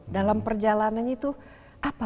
dalam perjalanannya itu apa